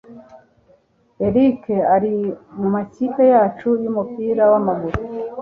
Eric ari mumakipe yacu yumupira wamaguru